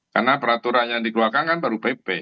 karena peraturan yang dikeluarkan kan baru pp